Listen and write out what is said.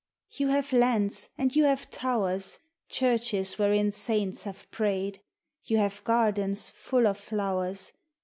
You have lands and you have towers, Churches wherein saints have prayed, You have gardens full of flowers.